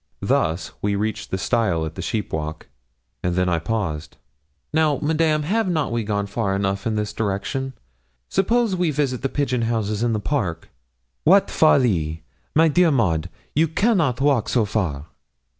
Thus we reached the stile at the sheep walk, and then I paused. 'Now, Madame, have not we gone far enough in this direction? suppose we visit the pigeon house in the park?' 'Wat folly! my dear a Maud you cannot walk so far.'